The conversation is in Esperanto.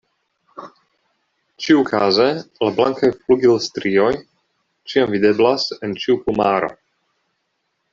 Ĉiukaze la blankaj flugilstrioj ĉiam videblas en ĉiu plumaro.